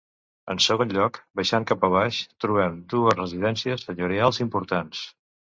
En segon lloc, baixant cap a baix, trobem dues residències senyorials importants.